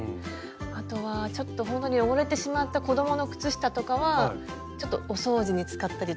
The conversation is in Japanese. あとはちょっとほんと汚れてしまった子供の靴下とかはちょっとお掃除に使ったりとかしてますね。